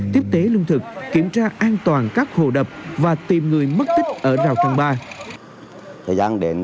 tiếp tế lương thực kiểm tra an toàn các hồ đập và tìm người mất tích ở rào thôn ba